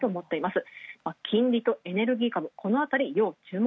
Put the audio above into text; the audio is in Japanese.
金利とエネルギー株、このあたりが要注目。